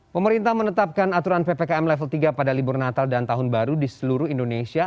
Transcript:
pemerintah menetapkan aturan ppkm level tiga pada libur natal dan tahun baru di seluruh indonesia